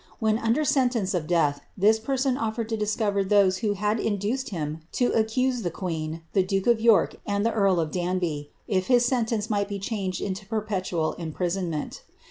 When under sentence of death, this penon oflered to discover those who liad induced him to accuse the queen, the duke of York, and the earl t)f Danby, if his sentence might be changed into perpetual imprisonment.'